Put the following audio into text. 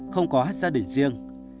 không có gia đình riêng